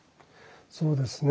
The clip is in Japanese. そうですね